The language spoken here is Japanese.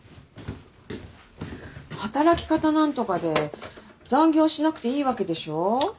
働き方何とかで残業しなくていいわけでしょ？